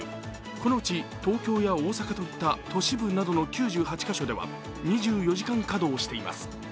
このうち東京や大阪といった都市部などの９８か所では２４時間稼働しています。